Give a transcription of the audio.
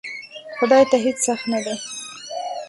خدای ته هیڅ سخت نه دی!